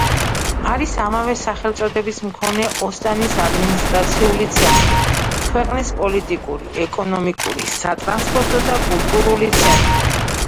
არის ამავე სახელწოდების მქონე ოსტანის ადმინისტრაციული ცენტრი, ქვეყნის პოლიტიკური, ეკონომიკური, სატრანსპორტო და კულტურული ცენტრი.